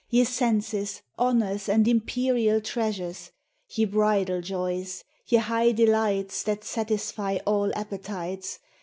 Ye senses, honours, and imperial treasures ! Ye bridal joys ! ye high delights That satisfy all appetites